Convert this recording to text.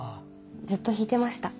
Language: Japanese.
ずっと弾いてました